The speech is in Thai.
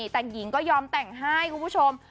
แต่งหญิงก็ยอมแต่งให้คุณผู้ชม